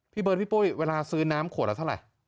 เบิร์ดพี่ปุ้ยเวลาซื้อน้ำขวดละเท่าไหร่